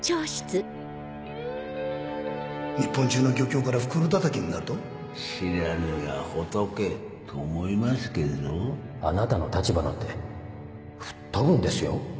日本中の漁協から袋だたきん知らぬが仏と思いますけれどあなたの立場なんて吹っ飛ぶんですよ？